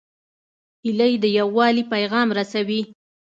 هیلۍ د یووالي پیغام رسوي